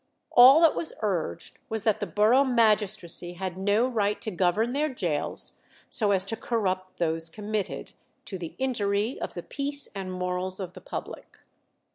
All that was urged was that the borough magistracy had no right to govern their gaols so as to corrupt those committed, "to the injury of the peace and morals of the public."